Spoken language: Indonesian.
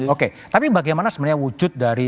oke tapi bagaimana sebenarnya wujud dari